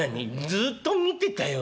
「ずっと見てたよ。